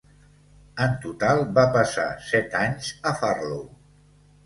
En total va passar set anys a Farlow.